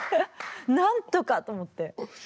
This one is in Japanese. なんとかと思って。